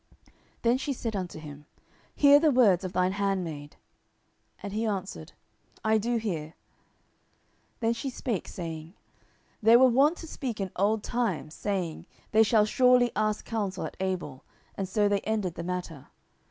Then she said unto him, Hear the words of thine handmaid. And he answered, I do hear. 10:020:018 Then she spake, saying, They were wont to speak in old time, saying, They shall surely ask counsel at Abel: and so they ended the matter.